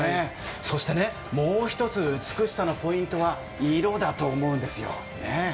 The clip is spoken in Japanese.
そしてもう１つ美しさのポイントは色だと思うんですね。